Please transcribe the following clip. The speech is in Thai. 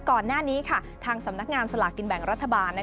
ก่อนหน้านี้ทางสำนักงานสลากกินแบ่งรัฐบาล